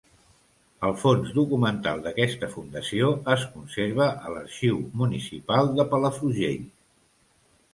El fons documental d'aquesta fundació es conserva a l'Arxiu Municipal de Palafrugell.